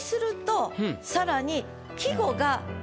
さらに。